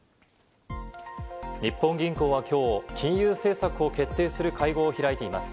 日本銀行はきょう、金融政策を決定する会合を開いています。